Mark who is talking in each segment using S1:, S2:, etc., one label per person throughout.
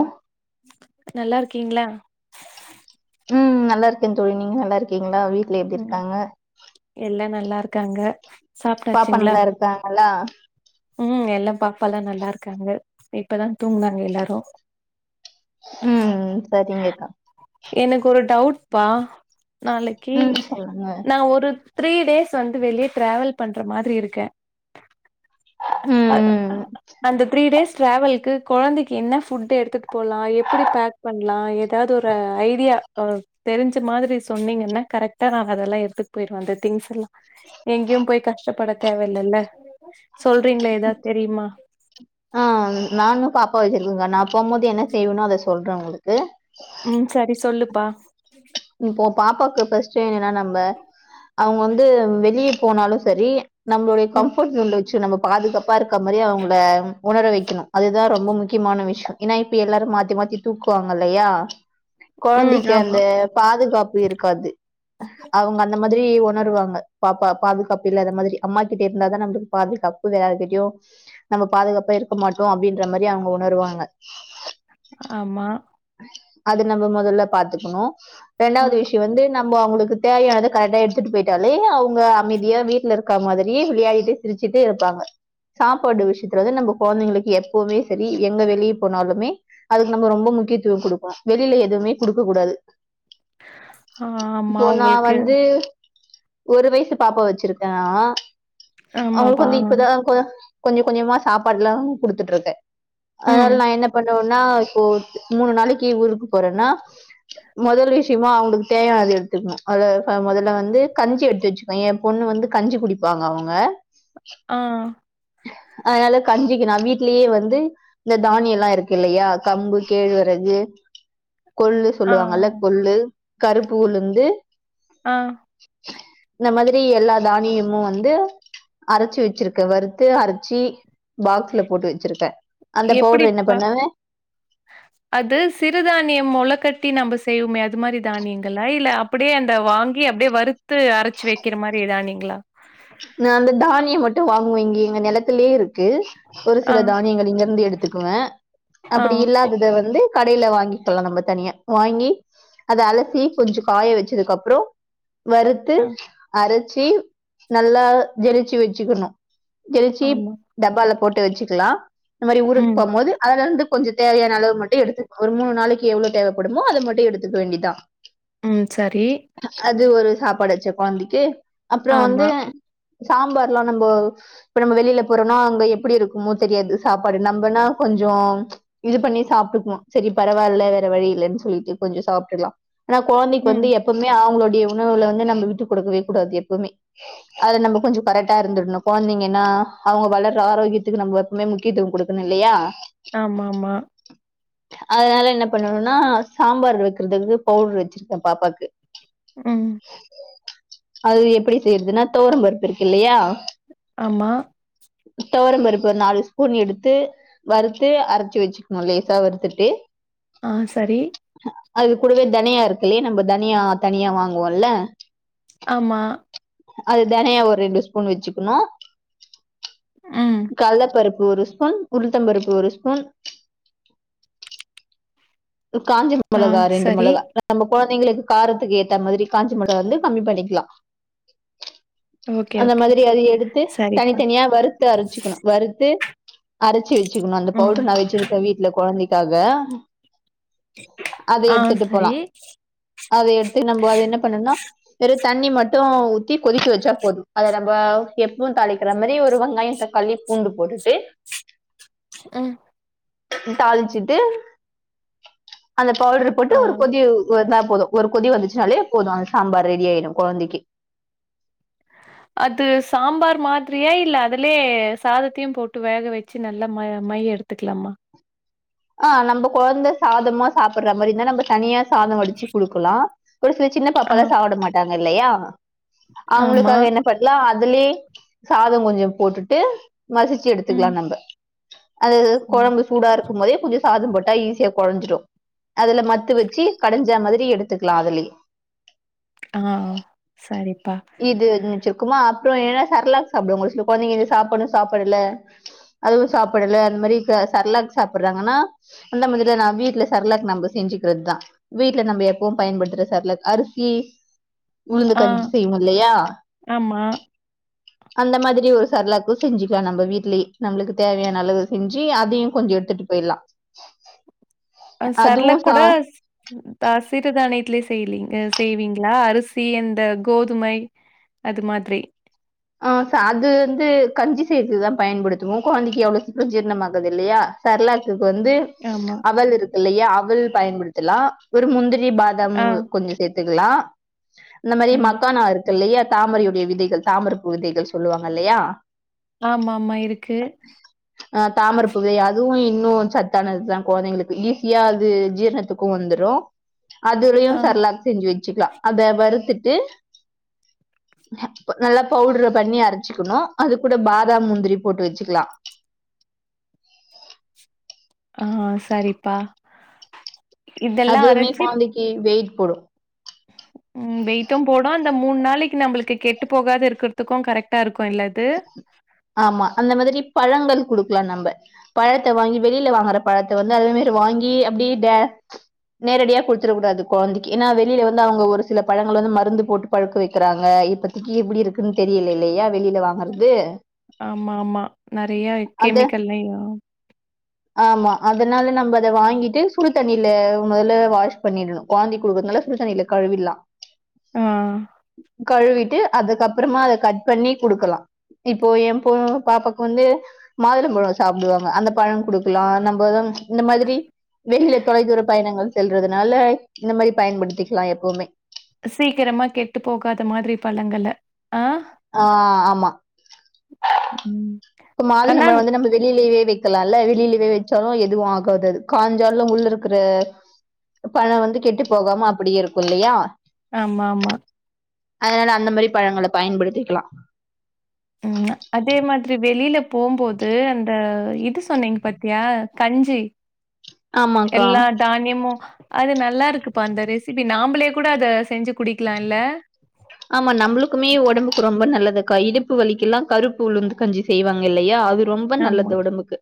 S1: அ
S2: நல்லாருக்கீங்ளா
S1: நல்லாருக்கே தோழி நீங்க நல்லாருக்கீங்ளா வீட்ல எப்டி
S2: ம்
S1: இருக்காங்க
S2: எல்லா நல்லாருக்காங்க சாப்ட்டாச்சிங்ளா
S1: டாங்களா
S2: ம் எல்லா பாப்பால்லா நல்லாருக்காங்க இப்ப தா தூங்னாங்க எல்லாரு
S1: ம் சரிங்கக்கா
S2: எனக் ஒரு டவுட்ப்பா நாளைக்கு
S1: ம் சொல்லுங்க
S2: நா ஒரு த்ரீ டேஸ் வந்து வெளிய டிராவல் பண்ற மாதிரி இருக்க
S1: ம்
S2: அ
S1: ம்
S2: அந்த த்ரீ டேஸ் ட்ராவல்க்கு கொழந்தைக்கு என்ன ஃபுட் எடுத்துட்டு போலா எப்பிடி பேக் பண்லா எதாவது ஒரு ஐடியா ஆ தெரிஞ்ச மாதிரி சொன்னீங்கன்னா கரக்ட்டா நா அதெல்லா எடுத்துட் போய்ருவே அந்த திங்ஸ் எல்லா எங்கயு போய் கஷ்டப்பட தேவ இல்லல்ல சொல்றீங்ளா எதாவ்து தெரியுமா
S1: ஆ நானு பாப்பா வெச்சிருக்கங்க நா போம்போது என்ன செய்வனோ அத சொல்றே உங்களுக்கு
S2: ம் சரி சொல்லுப்பா
S1: இப்போ பாப்பாக்கு ஃபர்ஸ்ட் என்னன்னா நம்ப அவங்க வந்து வெளிய போனாலு சரி நம்மளுடைய
S2: ம்,
S1: கம்ஃபோர்ட் ஜோன்ல வச்சு நம்ம பாதுகாப் ப்பா இருக்க மாரி அவங்கள உணர வைக்கணு அதுதான் ரொம்ப முக்கியமான விஷயம் ஏன்னா இப்ப எல்லாரு மாத்தி மாத்தி தூக்குவாங்கல்லையா
S2: ம்
S1: கொழந்தைக்கு
S2: ஆமா,
S1: அந்த பாதுகாப்பு இருக்காது அவங்க அந்த மாதிரி உணருவாங்க பாப்பா பாதுகாப்பு இல்லாத மாதிரி அம்மா கிட்ட இருந்தாதான் நம்மளுக்கு பாதுகாப்பு புள்ள யார்கிட்டயு நம்ம பாதுகாப்பா இருக்க மாட்டோ அப்டின்ற மாரி அவங்க உணருவாங்க
S2: ஆமா
S1: அது நம்ம முதல்ல பாத்துக்கணும்
S2: அ,
S1: ரெண்டாவது விஷ இப்ப வந்து நம்ம அவங்களுக்கு தேவையானத கரெக்டா எடுத்துட்டு போயிட்டாலே அவங்க அமைதியா வீட்டுல இருக்கற மாதிரி வெளையாடிட்டு சிரிச்சுட்டு இருப்பாங்க சாப்பாடு விஷயத்துல வந்து நம்ப கொழந்தைங்களுக்கு எப்பவுமே செரி எங்க வெளியே போனாலுமே அதுக்கு நம்ப ரொம்ப முக்கியத்துவம் கொடுப்போம் வெளியில எதுவுமே கொடுக்க கூடாது
S2: ஆ ஆமா
S1: இப்போ நான்
S2: உங்களுக்கு
S1: வந்து ஒரு வயசு பாப்பாவ வச்சிருக்கேனா அவங்களுக்கு
S2: ஆமாப்பா.
S1: வந்து இப்பதான் கொ கொஞ்ச கொஞ்சமா சாப்பாடுல்லா கொடுத்துட்டு இருக்கே
S2: ம்.
S1: அதனால நான் என்ன பண்ணுவேனா இப்போ மூணு நாளைக்கு ஊருக்கு போறேன்னா முதல் விஷயமா அவங்களுக்கு தேவையானது எடுத்துக்கணு அதுல மொதல்ல வந்து கஞ்சி எடுத்து வச்சுக் ஏன் பொண்ணு வந்து கஞ்சி குடிப்பாங்க அவங்க
S2: ஆ
S1: அதனால கஞ்சிக்கு நா வீட்லயே வந்து இந்த தானியல்லா இருக்குல்லையா கம்பு கேழ்வரகு கொள்ளு
S2: ஆ,
S1: சொல்லுவாங்கல்ல கொள்ளு கருப்பு உளுந்து
S2: ஆ
S1: இந்த மாதிரி எல்லா தானியமு வந்து அரச்சு வச்சிருக்கே வறுத்து அரச்சி பாக்ஸ்ல போட்டு வச்சிருக்கேன் அந்த பவுடர் என்ன
S2: எப்படிப்பா?
S1: பண்ணுவே
S2: அது சிறுதானியம் மொளகட்டி நம்ப செய்யுவோமே அத் அது மாரி தானியங்களா இல்ல அப்டியே அந்த வாங்கி அப்டியே வறுத்து அரச்சு வைக்கிற மாரி தானியங்களா
S1: நான் அந்த தானியம் மட்டும் வாங்குவேன் இங்க எங்க நெலத்திலயேருக்கு ஒரு
S2: ஆ,
S1: சில தானியங்கள் இங்கருந்து எடுத்துக்குவேன்
S2: ஆ,
S1: அப்டி இல்லாதத வந்து கடயில வாங்கிக்கெலாம் நம்ப தனியா வாங்கி அத அலசி கொஞ்சம் காய வச்சதுக்கு அப்றம் வறுத்து
S2: ஆ,
S1: அரச்சி நல்லா ஜெரிச்சு வச்சுக்கணும் ஜெரிச்சு
S2: ஆமா.
S1: டப்பால போட்டு வச்சுக்கலாம் இந்த மாதிரி ஊருக்கு
S2: ம்,
S1: போகும் போது அதுலருந்து கொஞ்சம் தேவையான அளவு மட்டும் எடுத்துக்க ஒரு மூணு நாளைக்கு எவ்ளவு தேவைப்படுமோ அதை மட்டும் எடுத்துக்க வேண்டிதான்
S2: ம் செரி
S1: அது ஒரு சாப்பாடாச்சு கொழந்தைக்கு அப்றம் வந்து
S2: ஆமா.
S1: சாம்பார்ல்லாம் நம்போ இப்ப நம்ம வெளியில போறோம்னா அங்க எப்டி இருக்குமோ தெரியாது சாப்பாடு நம்மனா கொஞ்சம் இது பண்ணி சாப்பிட்டுக்குவோம் செரி பரவாயில்ல வேற வழி இல்லைன்னு சொல்லிட்டு கொஞ்சம் சாப்பிட்டுக்கலாம் ஆனா கொழந்தைக்கு
S2: ம்.
S1: வந்து எப்பவுமே அவங்களுடைய உணவுல வந்து நம்மவிட்டு கொடுக்கவே கூடாது எப்பவுமே அத நம்ப கொஞ்சம் கரெக்டா இருந்துக்கனும் கொழந்தைங்கன்னா அவங்க வளர்ற ஆரோக்கியத்துக்கு நம்ப எப்பவுமே முக்கியத்துவம் கொடு இல்லையா
S2: ஆமா ஆமா
S1: அதனால என்ன பண்ணணும்னா சாம்பார் வைக்கறதுக்கு பவுடர் வச்சிருக்கேன் பாப்பாக்கு
S2: ம்
S1: அது எப்டி செய்றதுன்னா தொவரம்பருப்பு இருக்கு இல்லையா
S2: ஆமா
S1: தொவரம்பருப்பு நாலு ஸ்பூன் எடுத்து வறுத்து அரைச்சு வச்சுக்ணு லேசா வறுத்துட்டு
S2: ஆ சரி
S1: அது கூடவே தனியா இருக்குல்லையா நம்ம தனியா தனியா வாங்குவோம்ல்ல
S2: ஆமா
S1: அது தனியா ஒரு ரெண்டு ஸ்பூன் வச்சுக்ணு
S2: ம்.
S1: கல்லப்பருப்பு ஒரு ஸ்பூன், உளுத்தம்பருப்பு ஒரு ஸ்பூன் காஞ்சின
S2: ஆ
S1: மொளகா ரெண்டு
S2: சரி.
S1: மொளகா நம்ம கொழந்தைங்களுக்கு காரத்துக்கு ஏத்த மாதிரி காஞ்ச மொளகா வந்து கம்மி பண்ணிக்லா
S2: ஓகே,
S1: அந்த
S2: ஓகே.
S1: மாதிரி அது எடுத்து
S2: சரிப்பா
S1: தனித்தனியா வறுத்து அரைச்சுக்ணு வறுத்து அரச்சி வச்சுக்குணு அந்த
S2: ம்
S1: பவுடரு நா வச்சிருக்கே வீட்ல கொழந்தைக்காக அத
S2: ஆ
S1: எடுத்துட்டு போலா
S2: சரி
S1: அத எடுத்து நம்ப அது என்ன பண்ணுனா வெறு தண்ணி மட்டு ஊத்தி கொதிக்க வச்சா போது, அத நம்ப எப்பவு தாளிக்கிற மாரி ஒரு வெங்காயோ‌ தக்காளி பூண்டு போட்டுட்டு
S2: ஆ
S1: தாளிச்சுட்டு அந்த பவுடரு போட்டு
S2: ஆ
S1: ஒரு கொதி வந்தா போதும் ஒரு கொதி வந்துச்சுனாலே போது அந்த சாம்பார் ரெடி ஆயிடு கொழந்தைக்கி
S2: அது சாம்பார் மாதிரியா இல்ல அதுலயே சாதத்தையு போட்டு வேக வச்சு நல்லா ம மைய எடு த்துக்லாமா
S1: ஆ, நம்ப கொழந்த சாதமா சாப்புட்ற மாரி இருந்தா நம்ப தனியா சாதம் வடிச்சு குடுக்கலா ஒரு சில சின்ன
S2: ஆ
S1: பாப்பாலா சாப்ட மாட்டாங்க இல்லையா
S2: ஆமா
S1: அவங்களுக்காக என்ன பண்லா அதுலயே சாத கொஞ்சோ போட்டுட்டு மசிச் சி எடுத்துக்லா
S2: ம்
S1: நம்ப அது
S2: ம்
S1: கொழம்பு சூடாரு க்கும் போதே கொஞ்சோ சாதம் போட்டா ஈஸியா கொழஞ்சிடு அதுல மத்து வச்சி கடஞ்சா மாதிரி எடுத்துக்லா அதுலயே
S2: ஆ, சரிப்பா
S1: இது ஒண்ணு வச்சுருக்கோமா அப்றோ என்ன செர்லாக் சாப்டுவாங்க ஒரு சில கொழந்தைங்க இது சாப்புட்னு சாப்படல அதுவு சாப்புடல அந்த மாரி செர்லாக் சாப்புட்றாங்கனா அந்த மாதிரிதா நா வீட்ல செர்லாக் நம்ப செஞ்சுக்றதுதா வீட்ல நம்ப எப்பவு பயன்படுத்துற செர்லாக், அரிசி உளுந்து
S2: ஆ
S1: கஞ்சி செய்வோ இல்லயா
S2: ஆமா
S1: அந்த மாதிரி ஒரு செர்லாக்கு செஞ்சுக்கலா நம்ப வீட்லயே நம்ளுக்கு தேவயான அளவு செஞ்சு அதயு கொஞ்சோ எடுத்துட்டு போயிர்லா
S2: அந்த செர்லாக் கூட ம் தா சிறு தானியத்திலே செய்லிங் க செய்வீங்களா அரிசி அந்த கோதுமை அது மாதிரி
S1: ஆ ச அது வந்து கஞ்சி செய்றதுக்குதா பயன்படுத்துவோ கொழந்தைக்கு அவ்ளோ சீக்ரோ ஜீர்ணம் ஆகாது இல்லயா செர்லாக்குக்கு வந்து
S2: ஆமா
S1: அவல் இருக்கு இல்லயா அவல் பயன்படுத்தலா ஒரு முந்திரி பாதம்
S2: ஆ
S1: கொஞ்சோ சேத் துக்லா இந்த மாரி
S2: ம்
S1: மக்கானா இருக்கு இல்லயா தாமரயுடைய விதைகள் தாமரப் பூ விதைகள் சொல்லுவாங்க இல்லயா
S2: ஆமாமா இருக்கு
S1: அ தாமரப்பூவெ அதுவு இன்னு சத்தானதுதா கொழந்தைங்களுக்கு ஈஸியா அது ஜீரணத்துக்கு வந்துரோ அதுளயு
S2: ஆ
S1: செர்லாக்ஸ் செஞ்சு வச்சுக்லா அத வறுத்துட்டு ப்பு நல்லாப் பவ்ட்ர பண்ணி அரச்சிக்கணு அது கூட பாதாம் முந்திரி போட்டு வெச்சுக்லா
S2: ஆ சரிப்பா இதெல்லா
S1: அதுவுமே
S2: அரைச்சு
S1: கொழந்தைக்கு வெயிட் போடு
S2: ம் வெயிட்டு போடு அந்த மூணு நாளைக்கு நம்ளுக்கு கெட்டு போகாது இருக்குறதுக்கு கரெக்ட்டா இருக்கு இல்ல இது
S1: ஆமா அந்த மாதிரி பழங்கள் குடுக்லா நம்ப பழத்த வாங்கி வெளில வாங்ற பழத்த வந்து அதே மாரி வாங்கி அப்டியே டே நேரடியா குடுத்துற கூடாது கொழந்திக்கு ஏன்னா வெளில வந்து அவுங்க ஒரு சில பழங்கள வந்து மருந்து போட்டு பழுக்க வெக்கிறாங்க இப்பத்திக்கி எப்டி இருக்குன்னு தெரியல இல்லயா வெளில வாங்
S2: ஆமா ஆமா நெறைய
S1: அது
S2: கெமிக்கல்லயா
S1: ஆமா அதனால நம்ப அத வாங்கிட்டு சுடு தண்ணில மொதல வாஷ் பண்ணிடணு கொழந்தைக்கு குடுக்குறதுனால சுடு தண்ணில கழிவிருலா
S2: ஆ
S1: கழுவிட்டு அதுக்கப்றமா அத கட் பண்ணி குடுக்கலா இப்போ எ பொ பாப்பாக்கு வந்து மாதுளோ பழோ சாப்டுவாங்க அந்த பழோ குடுக்கலா நம்போ தாம் இந்த மாதிரி வெளில தொலைதூர பயணங்கள் செல்றதுனால இந்த மாதிரி பயன்படுத்திக்கலா எப்போமே
S2: சீக்கரமா கெட்டு போகாத மாதிரி பழங்கள ஆ
S1: ஆ ஆமா
S2: ம்
S1: ப்ப மாதுளம்
S2: ஆனா
S1: பழம் வந்து நம்ளுக் வெளிலியவே வெக்கலால்ல வெளிலியவே வெச்சாலு எதுவு ஆகாது அது காஞ்சாலு உள்ளருக்குற பழோ வந்து கெட்டு போகாம அப்டியே இருக்கு இல்லயா
S2: ஆமா ஆமா
S1: அதனால அந்த மாரி பழங்கள பயன்படுத்திக்கலா
S2: ம் அதே மாதிரி வெளில போம்போது அந்த இது சொன்னீங்க பாத்தியா கஞ்சி
S1: ஆஹ [inaudible]
S2: எல்லா தான்யமு அது நல்லா இருக்குப்பா அந்த ரெசிபி நாம்பளே கூட அத செஞ்சுப் குடிக்கலா இல்ல
S1: ஆமா நம்ளுக்குமே உடம்புக்கு ரொம்ப நல்லது கா இடுப்பு வலிக்கெல்லா கருப்பு உளுந்து கஞ்சி செய்வாங்க இல்லையா ரொம்ப
S2: ஆமா
S1: நல்லது உடம்புக்கு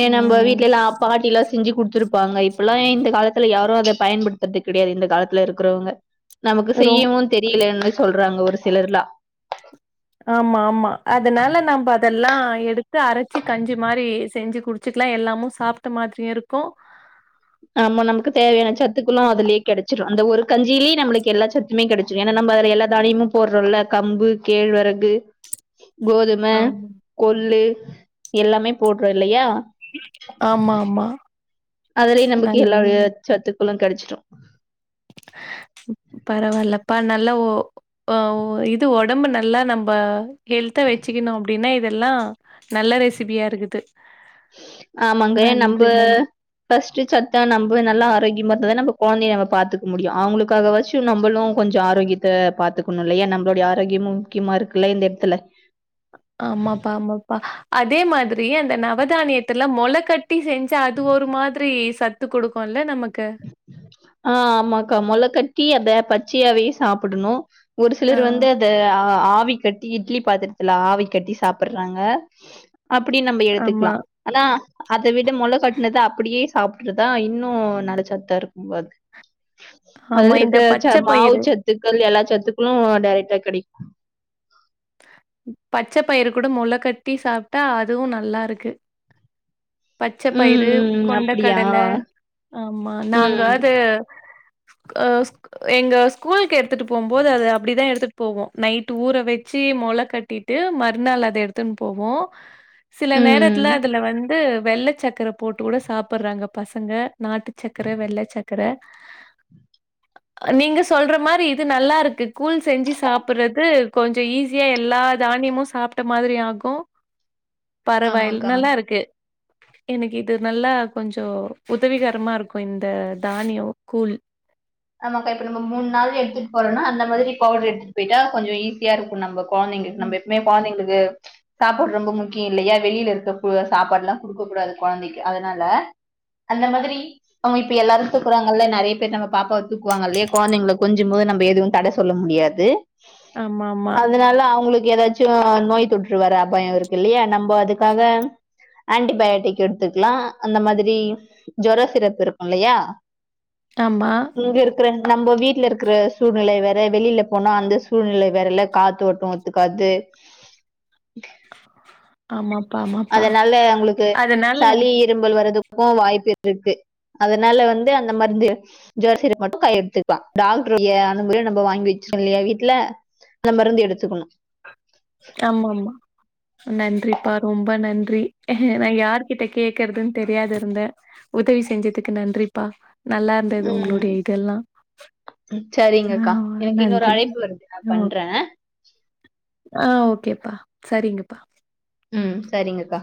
S1: ஏ நம்ம
S2: ம்
S1: வீட்டுல எல்லாம் பாட்டி எல்லாம் செஞ்சு கொடுத்துருப்பு பாங்க இப்பல்லா இந்த காலத்துல யாரும் அத பயன்படுத்துறது கிடையாது இந்த காலத்துல இருக்குறவங்க நமக்கு
S2: ரொம்
S1: செய்யவு தெரியலன்னு சொல்றாங்க ஒரு சிலர்லா
S2: ஆமா ஆமா அதனால நம்ம அதெல்லா எடுத்து அரைச்சி கஞ்சி மாரி செஞ்சி குடு ச்சிக்கலா எல்லாமு சாப்ட்ட மாதிரியு இருக்கு
S1: ஆமா நமக்கு தேவையான சத்துக்களு அதுலயே கெடைச்சிடும் அந்த ஒரு கஞ்சியிலேயே நம்ளுக்கு எல்லாச் சத் துமே கெடைச்சிடு ஏனா நம்ம அதுல எல்லா தானியமு போட்றோன்ல கம்பு கேழ்வரகு கோதும
S2: ஆமா.
S1: கொல்லு எல்லாமே போட்றோ இல்லையா
S2: ஆமா ஆமா
S1: அதுலயே நமக்கு எல்லா வகை சத்துக்களு கெடச்சிடு
S2: பரவால்லப்பா நல்ல ஓ ஓ வ் இது உடம்பு நல்லா நம்ப ஹெல்தா வெச்சுக்கணு அப்டின்னா இதெல்லா நல்ல ரெசிபியா இருக்குது
S1: ஆமாங்க நம்ப
S2: நன்றி நன்றி.
S1: ஃபஸ்ட்டு சத்தா நம்ம நல்லா ஆரோக்கியமா இருந்தாதா நம்ம கொழந்தைய நம்ம பாத்துக்க முடியு அவங்களுக்காக வாச்சு நம்மளு கொஞ்சோ ஆரோகியத்த பாத்துக்கணு இல்லியா நம்மளோட ஆரோக்கியமு முக்கியமா இருக்குல்ல இந்த எடத்துல
S2: ஆமாப்பா ஆமா ப்ப அதே மாதிரி அந்த நவதானியத்துல மொள கட்டி செஞ்சா அது ஒரு மாதிரி சத் த்து குடுக்குல்ல நமக்கு
S1: ஆ ஆமாக்கா மொளக்கட்டி அத பச்சையாவே சாப்பிடணு ஒரு
S2: ஆ
S1: சிலரு வந்து இந்த ஆவி கட்டி இட்லி பாத்திரத்துல ஆவி கட்டி சாப்பிடுறாங்க அப்டி நம்ம
S2: ஆமா
S1: எடுத்துக்கலா ஆனா அத விட மொள கட்டினத அப்டியே சாப்ட்டறதா இன்னு நல்ல சத்தா இருக்கு அதுல
S2: ஆமா. இந்த
S1: இருக்க
S2: பச்ச
S1: மாவு
S2: பயிறு
S1: சத்துக்கள் எல்லா சத்துக்களு டேரெக்டா கெடைக்கு
S2: பச்ச பயிறு கூட மொள கட்டி சாப்ட்டா அதுவு நல்லா இருக்கு பச்ச
S1: ம்,
S2: பயிறு
S1: ம். அப்படியா?
S2: கொண்டக்கடல ஆமா நாங்க
S1: ம்,
S2: அது [unintelligible] எங்க ஸ்கூலுக்கு எடுத்துட்டு போம்போது அத அப்பிடிதா எடுத்துட்டு போவோ நைட் ஊற வெச்சு மொள கட்டிட் ட்டு மறுநாள் அத எடுத்துன்னு போவோ சில
S1: ம்.
S2: நேரத்துல அதுல வந்து வெள்ள சக்கர போட்டு கூட சாப்ட்டுறாங்க பசங்க நாட்டு சக்கர வெள்ள சக்கர
S1: [inaudible]
S2: நீங்க சொல்ற மாரி இது நல்லா இருக்கு கூழ் செஞ்சு சாப்ட்டுறது கொஞ்சோ ஈஸியா எல்லா தானியமு சாப்ட்ட மாதிரி ஆகு பரவாயில்
S1: ஆமாக்கா.
S2: நல்லா இருக்கு எனக்கு இது நல்லா கொஞ்சோ உதவிகரமா இருக்கு இந்த தானியோ கூழ்
S1: நமக்கு இப்ப நம்ம மூணு நாள் எடுத்துட்டு போறோனா அந்த மாதிரி பவுடர் எடுத்துட்டு போயிட்டா கொஞ்சோ ஈஸியா இருக்கு நமக்கு கொழந்தீங்ளுக்
S2: ம்
S1: நம்ம எப்பமே கொழந்தீங்ளுக்கு சாப்பாடு ரொம்ப முக்கியோ இல்லியா வெளில இருக்க சாப்பாடு எல்லா குடுக்க கூடாது கொழந்திக்கு அதனால அந்த மாதிரி அவங்க இப்ப எல்லாரு துக்குறாங்கல்ல நெறைய பேர் நம்ம பாப்பா தூக்குவாங்கல்லையா கொழந்தைகள கொஞ்சு சும் போது நம்ம எதுவு தட சொல்ல முடியாது
S2: ஆமா ஆமா
S1: அதனால அவங்களுக்கு ஏதாச்சு கொஞ்சோ நோய் தொற்று வர அபாயோ இருக்கு இல்லியா நம்ப அதுக்காக ஆன்டிபயாட்டிக் எடுத்துக்லா அந்த மாதிரி ஜொர சிரப் இருக்குல்லியா
S2: ஆமா
S1: இங்க இருக்கிற நம்ம வீட்ல இருக்கிற சூழ்நிலை வேற வெளில போனா அந்த சூழ்நிலை வேறல்ல காத்தோட்டோ ஒத்துக்காது
S2: ஆமாப்பா ஆமாப்பா
S1: அதனால உங்களுக்கு
S2: அதுனால
S1: சளி இரும்பல் வரதுக்கு வாய்ப்பு இருக்கு அதனால வந்து அந்த மருந்து ஜொர சிரப் மட்டு கைலயெடுத்துக்லா டாக்டர் [unintelligible] நம்ம வாங்கி வெச்சோம்ல்லயா வீட்ல அந்த மருந்து எடுத்துக்கணு
S2: ஆமாம்மா நன்றிப்பா ரொம்ப நன்றி நா யாருகிட்ட கேக்குறதுன்னு தெரியாது இருந்தே உதவி செஞ்சதுக்கு நன்றிப்பா நல்லா இருந்தது உங்களுடைய இதெல்லா
S1: செரிங்க
S2: ஆ
S1: அக்கா எனக்கு இன்னொரு
S2: நன்றி
S1: அழைப்பு வருது நா
S2: ஓ
S1: பண்றே
S2: ஆ ஓகேப்பா செரிங்கப்பா
S1: ம் சரிங்கக்கா